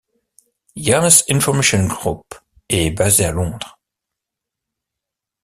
Jane's Information Group est basée à Londres.